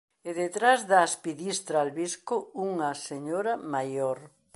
E detrás da aspidistra albisco unha señora maior.